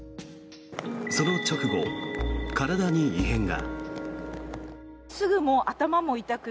その直後、体に異変が。